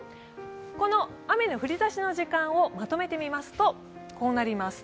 この雨の降り出しの時間をまとめてみますと、こうなります。